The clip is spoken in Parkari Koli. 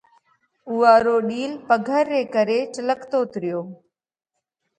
اُوئا رو ڏِيل پگھر ري ڪري چِلڪتوت ريو۔